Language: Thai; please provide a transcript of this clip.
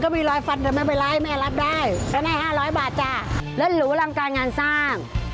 ตั้งแต่อายุ๑๗ทำมาจากไม้อัดน้ำหนักเกือบ๒๐กิโลกรัม